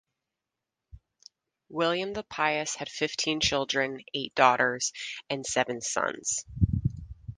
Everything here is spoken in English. William the Pious had fifteen children, eight daughters and seven sons.